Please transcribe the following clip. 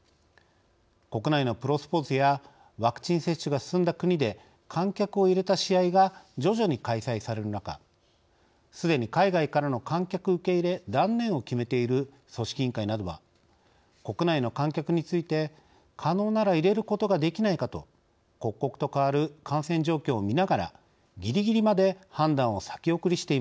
国内のプロスポーツやワクチン接種が進んだ国で観客を入れた試合が徐々に開催される中すでに海外からの観客受け入れ断念を決めている組織委員会などは国内の観客について可能なら入れることができないかと刻々と変わる感染状況を見ながらギリギリまで判断を先送りしていました。